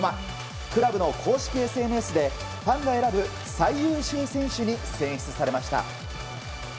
クラブの公式ＳＮＳでファンが選ぶ最優秀選手に選出されました。